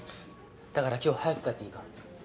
だから今日早く帰っていいか？